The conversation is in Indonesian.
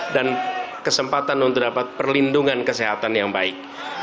dan kesempatan untuk dapat perlindungan kesehatan yang baik